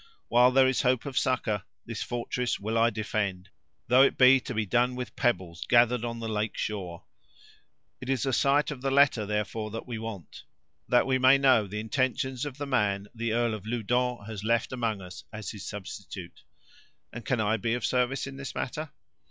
While there is hope of succor, this fortress will I defend, though it be to be done with pebbles gathered on the lake shore. It is a sight of the letter, therefore, that we want, that we may know the intentions of the man the earl of Loudon has left among us as his substitute." "And can I be of service in the matter?"